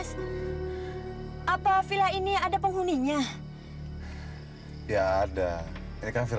saya bisa berhenti disini